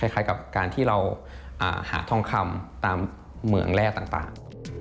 คล้ายกับการที่เราหาทองคำตามเหมืองแร่ต่าง